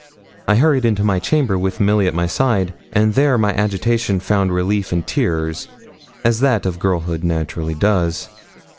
I hurried into my chamber, with Milly at my side, and there my agitation found relief in tears, as that of girlhood naturally does.